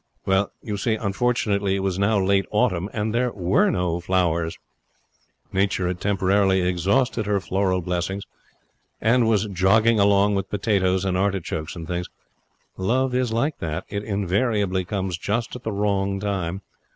Well, you see, unfortunately, it was now late autumn, and there were no flowers. Nature had temporarily exhausted her floral blessings, and was jogging along with potatoes and artichokes and things. Love is like that. It invariably comes just at the wrong time.